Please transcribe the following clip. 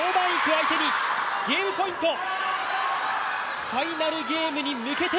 相手にゲームポイント、ファイナルゲームに向けて